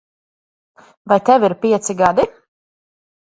Vai tev ir pieci gadi?